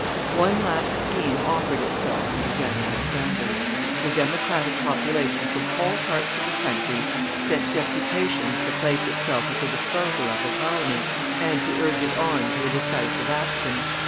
One last scheme offered itself to the General Assembly. The Democratic population from all parts of the country sent deputations to place itself at the disposal of the Parliament, and to urge it on to a decisive action.